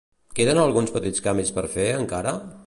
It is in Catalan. Queden alguns petits canvis per fer, encara?